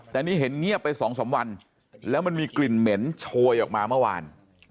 แต่นี่เห็นเงียบไป๒๓วันแล้วมันมีกลิ่นเหม็นโชยออกมาเมื่อวาน